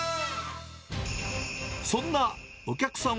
そんなお客さん